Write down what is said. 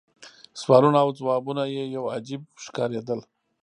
سوالونه او ځوابونه یې یو څه عجیب ښکارېدل.